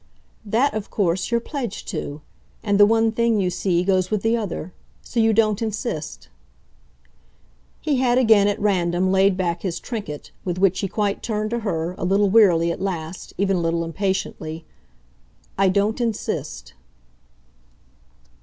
"That of course you're pledged to. And the one thing, you see, goes with the other. So you don't insist." He had again, at random, laid back his trinket; with which he quite turned to her, a little wearily at last even a little impatiently. "I don't insist."